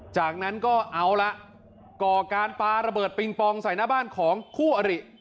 จากนั้นก็เอาละก่อการปลาระเบิดปิงปองใส่หน้าบ้านของคู่อริ